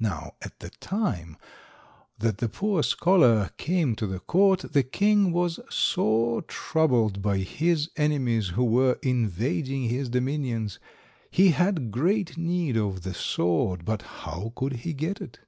Now at the time that the poor scholar came to the court, the king was sore troubled by his enemies, who were invading his dominions. He had great need of the sword, but how could he get it?